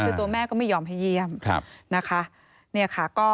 คือตัวแม่ก็ไม่ยอมให้เยี่ยมนะคะ